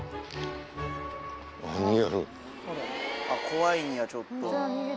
あっ怖いんやちょっと。